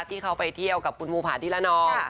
ที่เขาไปเที่ยวกับคุณภูผาที่ละนอง